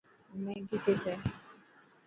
همي ڪئي ٿيسي.